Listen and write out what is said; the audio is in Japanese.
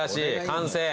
完成！